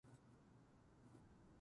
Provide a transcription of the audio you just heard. パソコンの調子が悪くなってきた。